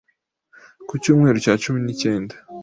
ku Icyumweru cya cumi nikenda